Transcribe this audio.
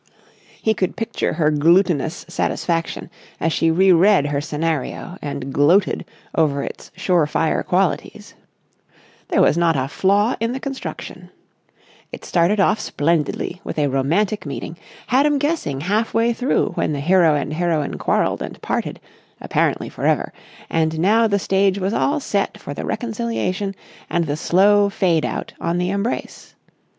He could picture her glutinous satisfaction as she re read her scenario and gloated over its sure fire qualities. There was not a flaw in the construction. It started off splendidly with a romantic meeting, had 'em guessing half way through when the hero and heroine quarrelled and parted—apparently for ever, and now the stage was all set for the reconciliation and the slow fade out on the embrace.